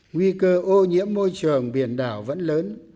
nguy cơ ô nhiễm môi trường biển đảo vẫn lớn